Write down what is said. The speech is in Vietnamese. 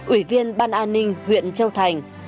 ủy viên ban an ninh huyện châu thành